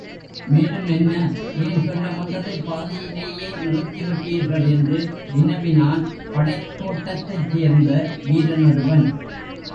மேலும் என்ன?... ஏன் சொல்ல வந்ததைப் பாதியிலேயே நிறுத்திவிட்டீர்கள்? என்று வினவினான் படைக் கோட்டத்தைச் சேர்ந்த வீரனொருவன்.